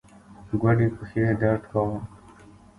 ګوډې پښې يې درد کاوه.